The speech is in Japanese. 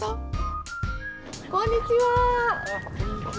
こんにちは。